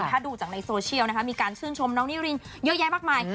ถ้าดูจากในโซเชียลนะคะมีการชื่นชมน้องนิรินเยอะแยะมากมาย